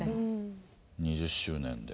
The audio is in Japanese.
２０周年で。